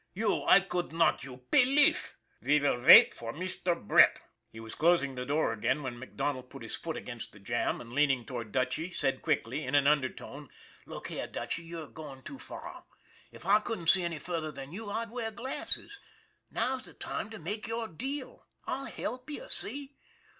you I could not you pelief. Ve vill vait for Mister Brett/* He was closing the door again, when MacDonald put his foot against the jamb and, leaning toward Dutchy, said quickly, in an undertone :" Look here, Dutchy, you're going too far. If I couldn't see any farther than you, I'd wear glasses. Now's the time to make your deal. I'll help you see?